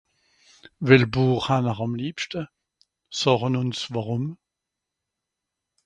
well Buch hàn'er àm libschte sàche ùns wàrùm